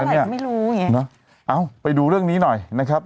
ชอบคุณครับ